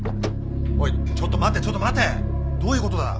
おいちょっと待てちょっと待てどういうことだ？